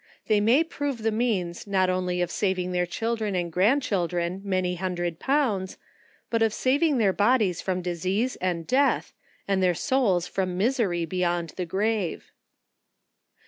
They may prove the means not only of saving their children and grand chil dren, many hundred pounds, but of saving their bodies from diseases and death, and their souls from misery beyond the grave.